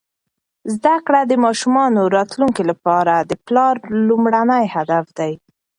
زده کړه د ماشومانو راتلونکي لپاره د پلار لومړنی هدف دی.